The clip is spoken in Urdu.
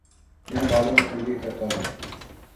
میں بالوں میں کنگھی کرتا ہوں